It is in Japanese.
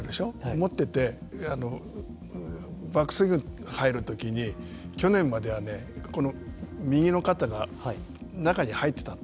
持っててバックスイングに入るときに去年までは、右の肩が中に入ってたの。